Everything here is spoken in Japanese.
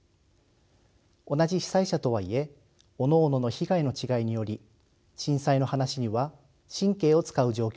同じ被災者とはいえおのおのの被害の違いにより震災の話には神経を遣う状況でした。